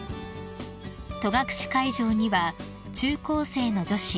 ［戸隠会場には中高生の女子